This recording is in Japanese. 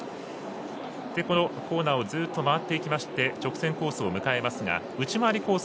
このコーナーをずっと回っていきまして直線コースを迎えますが、内回りコース